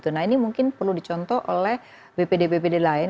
nah ini mungkin perlu dicontoh oleh bpd bpd lain